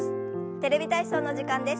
「テレビ体操」の時間です。